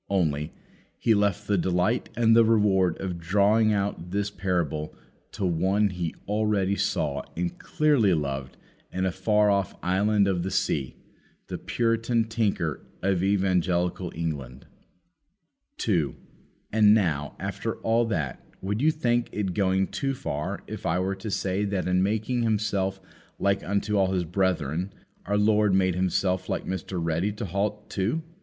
Only, He left the delight and the reward of drawing out this parable to one He already saw and dearly loved in a far off island of the sea, the Puritan tinker of Evangelical England. 2. And now, after all that, would you think it going too far if I were to say that in making Himself like unto all His brethren, our Lord made Himself like Mr. Ready to halt too?